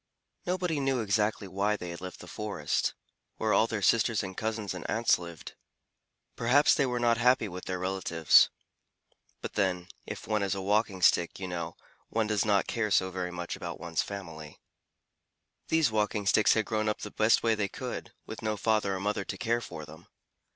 Nobody knew exactly why they had left the forest, where all their sisters and cousins and aunts lived. Perhaps they were not happy with their relatives. But then, if one is a Walking Stick, you know, one does not care so very much about one's family. These Walking Sticks had grown up the best way they could, with no father or mother to care for them.